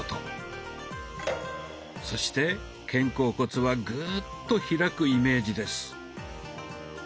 そして肩甲骨はグーッと開くイメージです。